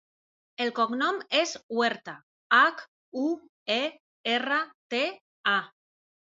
El cognom és Huerta: hac, u, e, erra, te, a.